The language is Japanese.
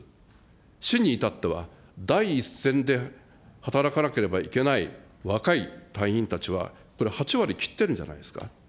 しに至っては第一線で働かなければいけない若い隊員たちは、これ８割切ってるんじゃないですか。